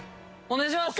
お願いします。